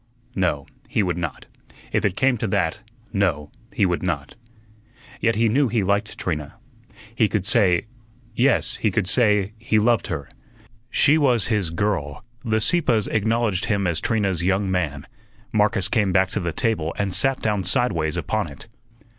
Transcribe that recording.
No, he would not; if it came to that, no, he would not. Yet he knew he liked Trina. He could say yes, he could say he loved her. She was his "girl." The Sieppes acknowledged him as Trina's "young man." Marcus came back to the table and sat down sideways upon it.